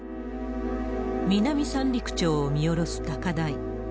南三陸町を見下ろす高台。